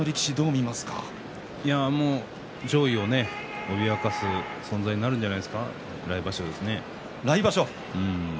上位を脅かす存在になるんじゃないでしょうかね